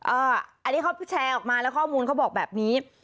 อันนี้เขาแชร์ออกมาแล้วข้อมูลเขาบอกแบบนี้